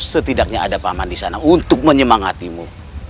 setidaknya ada pak man di sana untuk menyemangatimu